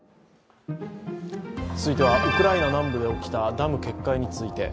続いてはウクライナ南部で起きたダム決壊について。